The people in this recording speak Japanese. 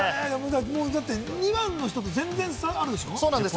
だって２番の人と全然差があるでしょ？